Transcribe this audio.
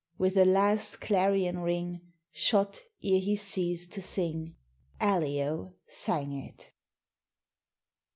With a last clarion ring, Shot ere he ceased to sing, Allio sang it.